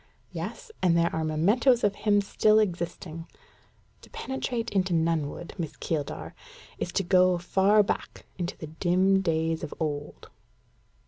"Yes, and there are mementos of him still existing. To penetrate into Nunnwood, Miss Keeldar, is to go far back into the dim days of old.